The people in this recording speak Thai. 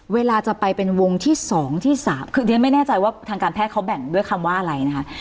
เวลาจะไปเป็นวงที่๒ที่๓คือเรียนไม่แน่ใจว่าทางการแพทย์เขาแบ่งด้วยคำว่าอะไรนะคะ